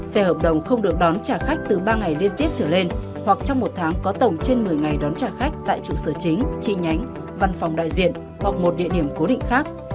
xe hợp đồng không được đón trả khách từ ba ngày liên tiếp trở lên hoặc trong một tháng có tổng trên một mươi ngày đón trả khách tại trụ sở chính trị nhánh văn phòng đại diện hoặc một địa điểm cố định khác